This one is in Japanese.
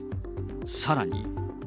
さらに。